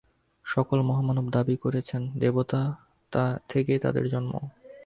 সকল মহামানব দাবী করেছেন, দেবতা থেকেই তাঁদের জন্ম।